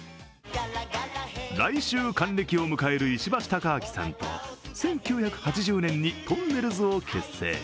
来週還暦を迎える石橋貴明さんと１９８０年にとんねるずを結成。